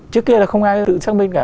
trước kia là không ai tự xác minh cả